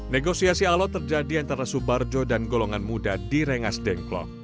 negosiasi alat terjadi antara subarjo dan golongan muda di rengas dengklok